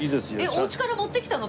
お家から持ってきたの？